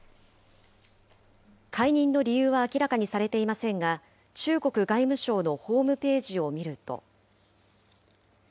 解任の理由は明らかにされていませんが、中国外務省のホームページを見ると。